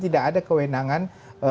tidak ada kewenangan